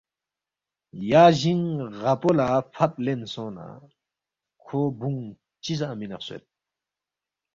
یا جینگ غا پو لا فپ لین سونگنہ کھو بُونگ چی زا مینے خسوید۔